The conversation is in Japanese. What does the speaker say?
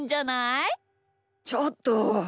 ちょっと。